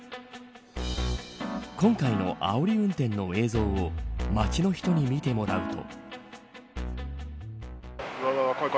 今回のあおり運転の映像を街の人に見てもらうと。